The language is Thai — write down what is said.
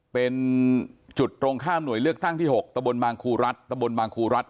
เป็นจุดตรงข้ามหน่วยเลือกตั้งที่๖ตะบนบางครูรัฐตะบนบางครูรัฐ